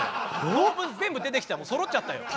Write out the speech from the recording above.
動物全部出てきたらそろっちゃったよ。